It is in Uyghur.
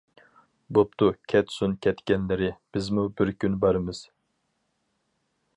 بوپتۇ كەتسۇن كەتكەنلىرى بىزمۇ بىر كۈن بارىمىز.